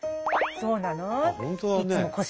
「そうなの？」